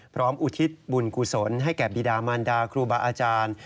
อุทิศบุญกุศลให้แก่บีดามันดาครูบาอาจารย์